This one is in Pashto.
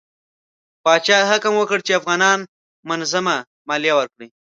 پادشاه حکم وکړ چې افغانان منظمه مالیه ورکړي.